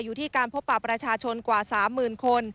อยู่ที่การพบปรับประชาชนกว่า๓๐๐๐คน